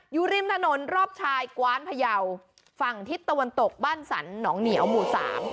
อยู่ริมถนนรอบชายกว้านพยาวฝั่งทิศตะวันตกบ้านสรรหนองเหนียวหมู่สาม